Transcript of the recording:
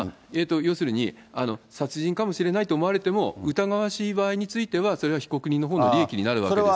要するに殺人かもしれないと思われても、疑わしい場合についてはそれは被告人のほうの利益になるわけです